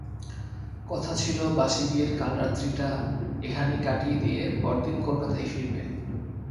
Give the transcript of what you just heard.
কথা ছিল বাসি-বিয়ের কালরাত্রিটা এখানেই কাটিয়ে দিয়ে পরদিন কলকাতায় ফিরবে।